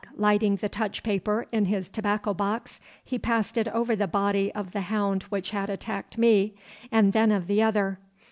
Lighting the touch paper in his tobacco box, he passed it over the body of the hound which had attacked me, and then of the other.